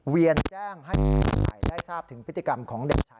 เวียนแจ้งง่ายได้ทราบถึงพฤติกรรมของเด็กชาย